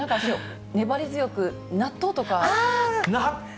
粘り強く、納豆とか。